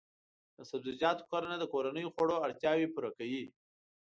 د سبزیجاتو کرنه د کورنیو خوړو اړتیاوې پوره کوي.